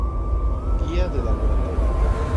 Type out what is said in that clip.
Guía de laboratorio.